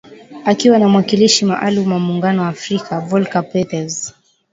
Akiwa na mwakilishi maalum wa Muungano wa Afrika, Volker Perthes.